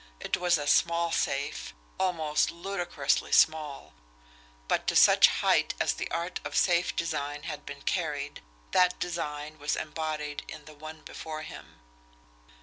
It was a small safe, almost ludicrously small; but to such height as the art of safe design had been carried, that design was embodied in the one before him.